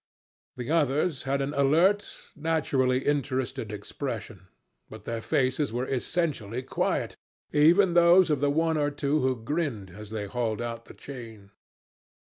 The others had an alert, naturally interested expression; but their faces were essentially quiet, even those of the one or two who grinned as they hauled at the chain.